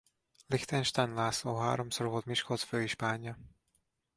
Lichtenstein László háromszor volt Miskolc főispánja.